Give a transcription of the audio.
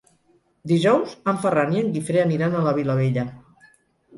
Dijous en Ferran i en Guifré aniran a la Vilavella.